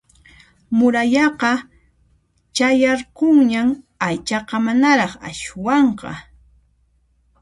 Murayaqa chayarqunñan aychaqa manaraq aswanqa